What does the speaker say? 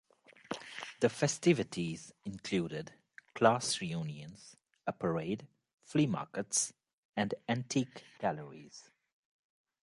The festivities included class reunions, a parade, flea markets, and antique galleries.